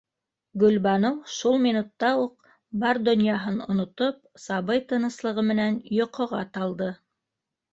Гөлбаныу шул минутта уҡ, бар донъяһын онотоп, сабый тыныслығы менән йоҡоға талды...